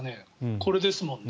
これですもんね。